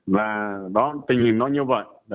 và đó tình hình nó như vậy